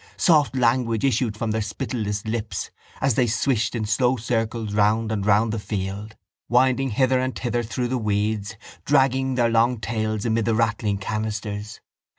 Soft language issued from their spittleless lips as they swished in slow circles round and round the field, winding hither and thither through the weeds, dragging their long tails amid the rattling canisters.